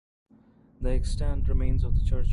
The extant remains of the church are still standing today.